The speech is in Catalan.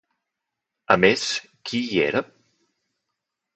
A més, qui hi era?